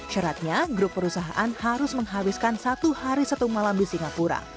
syaratnya grup perusahaan harus menghabiskan satu hari satu malam di singapura